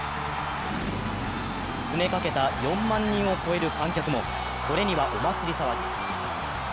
詰めかけた４万人を超える観客も、これにはお祭り騒ぎ。